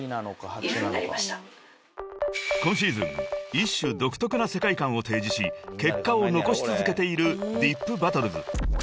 一種独特な世界観を提示し結果を残し続けているｄｉｐＢＡＴＴＥＬＳ］